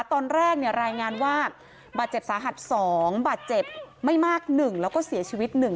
ตอนแรกรายงานว่าบาดเจ็บสาหัส๒บาดเจ็บไม่มาก๑แล้วก็เสียชีวิต๑